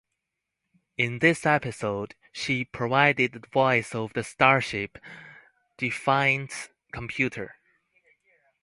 In this episode, she provided the voice of the starship "Defiant"s computer.